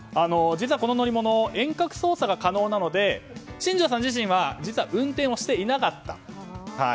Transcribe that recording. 実はこの乗り物遠隔操作が可能なので新庄さん自身は実は、運転をしていなかった。